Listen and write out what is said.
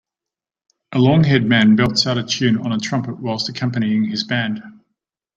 A longhaired man belts out a tune on a trumpet while accompanying his band.